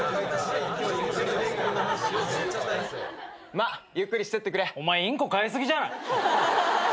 まあゆっくりしてってくれ。お前インコ飼いすぎじゃない？